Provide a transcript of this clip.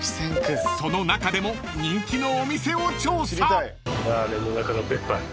［その中でも人気のお店を調査］